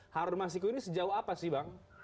harun masiku ini sejauh apa sih bang